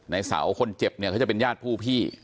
ในเสาคนเจ็บเนี่ยเขาจะเป็นญาติผู้พี่